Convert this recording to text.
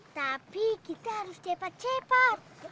tapi kita harus cepat cepat